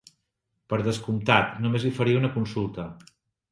Per descomptat, només li faria una consulta.